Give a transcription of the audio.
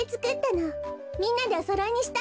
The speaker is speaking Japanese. みんなでおそろいにしたのよ。